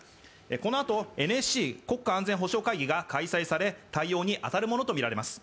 このあと、ＮＳＣ＝国家安全保障会議が開かれ対応に当たるものとみられます。